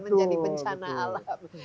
menjadi pencana alam